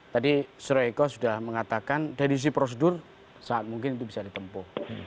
dan pak s b juga sudah mengatakan dari isi prosedur saat mungkin itu bisa ditempuh